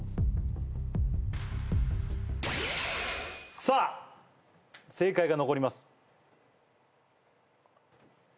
さあ正解が残ります